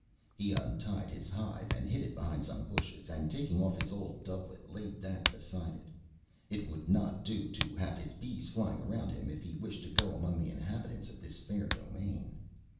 He untied his hive, and hid it behind some bushes, and taking off his old doublet, laid that beside it. It would not do to have his bees flying about him if he wished to go among the inhabitants of this fair domain.